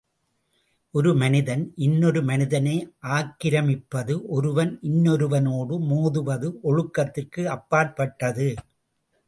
ஒரு மனிதன் இன்னொரு மனிதனை ஆக்கிரமிப்பது ஒருவன் இன்னொருவனோடு மோதுவது ஒழுக்கத்திற்கு அப்பாற்பட்டது.